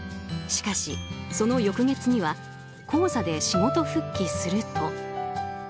しかし、その翌月には高座で仕事復帰すると。